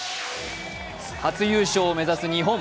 初優勝を目指す日本。